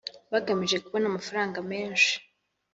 bagamije kubona amafaranga menshi